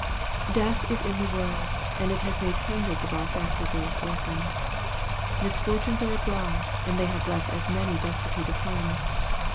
"Death is in the world," and it has made hundreds of our factory girls orphans. Misfortunes are abroad, and they have left as many destitute of homes.